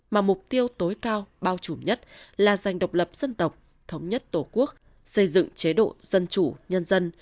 mà mục tiêu tối cao bao trùm nhất là dành độc lập dân tộc thống nhất tổ quốc xây dựng chế độ dân chủ nhân dân